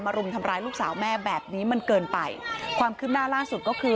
รุมทำร้ายลูกสาวแม่แบบนี้มันเกินไปความคืบหน้าล่าสุดก็คือ